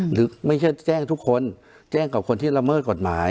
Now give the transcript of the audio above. หรือไม่ใช่แจ้งทุกคนแจ้งกับคนที่ละเมิดกฎหมาย